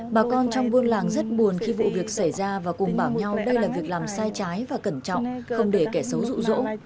bà con trong buôn làng rất buồn khi vụ việc xảy ra và cùng bảo nhau đây là việc làm sai trái và cẩn trọng không để kẻ xấu rụ rỗ